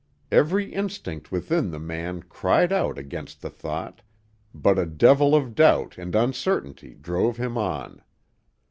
Every instinct within the man cried out against the thought, but a devil of doubt and uncertainty drove him on.